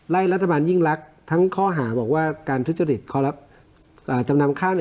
ไล่รัฐบาลยิ่งรักทั้งข้อหาบอกว่าการทุจจติศข้อลับจะนำข้าว